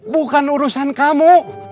bukan urusan kamu